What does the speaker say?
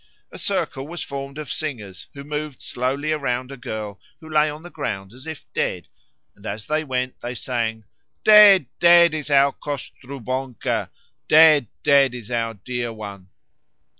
A circle was formed of singers who moved slowly around a girl who lay on the ground as if dead, and as they went they sang: 'Dead, dead is our Kostrubonko! Dead, dead is our dear one!'